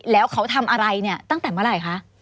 แล้วเขาทำอะไรเนี่ยตั้งแต่เมื่อไหร่คะ